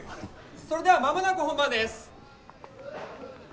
それでは間もなく本番です！